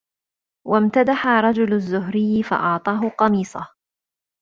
وَامْتَدَحَ رَجُلٌ الزُّهْرِيَّ فَأَعْطَاهُ قَمِيصَهُ